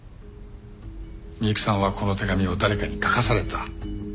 美雪さんはこの手紙を誰かに書かされた。